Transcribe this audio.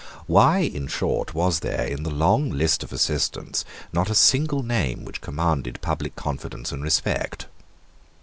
Why, in short, was there, in the long list of assistants, not a single name which commanded public confidence and respect?